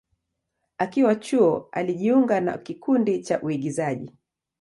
Akiwa chuo, alijiunga na kikundi cha uigizaji.